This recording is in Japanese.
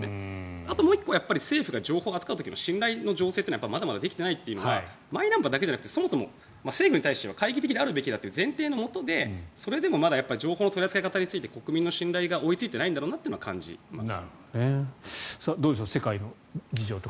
あともう１個は政府が情報を扱う時の信頼の醸成はまだまだできてないというのはマイナンバーだけじゃなくてそもそも政府に対して懐疑的であるべきだという前提のうえで、それでもまだ国民が情報の取り扱いについて信頼が追いついていないのかなと思います。